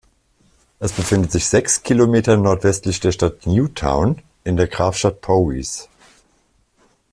Es befindet sich sechs Kilometer nordwestlich der Stadt Newtown in der Grafschaft Powys.